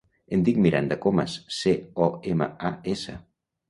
Em dic Miranda Comas: ce, o, ema, a, essa.